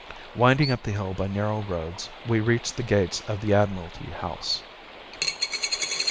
Winding up the hill by narrow roads, we reached the gates of the Admiralty House.